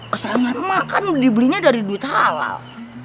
kesayangan emak kan dibelinya dari duit halal